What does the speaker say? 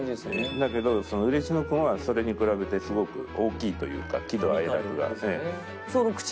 だけどウレシノくんはそれに比べてすごく大きいというか喜怒哀楽が。